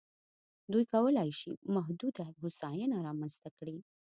دوی کولای شي محدوده هوساینه رامنځته کړي.